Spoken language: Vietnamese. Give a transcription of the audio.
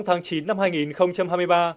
trong tháng chín năm hai nghìn hai mươi ba